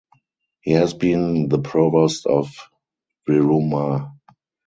He has been the provost of Virumaa.